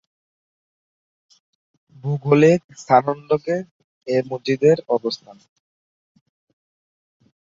ভৌগোলিক স্থানাঙ্কে এই মসজিদের অবস্থান